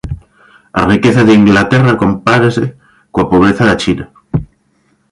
A riqueza de Inglaterra compárase coa pobreza da China.